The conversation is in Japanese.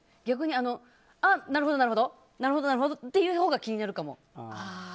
逆になるほど、なるほどって言うほうが気になるかも。